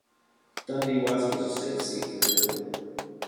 Dundee West was a safe seat for Labour.